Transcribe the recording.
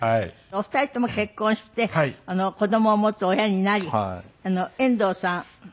お二人とも結婚して子どもを持つ親になり遠藤さん息子２人。